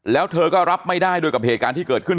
แล้วเธอก็รับไม่ได้ด้วยกับเหตุการณ์ที่เกิดขึ้น